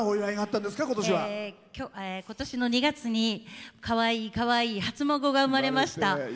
今年の２月にかわいいかわいい初孫が生まれました。